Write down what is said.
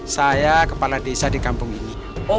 saya kepala desa di kampung ini